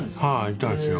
行ったんですよ。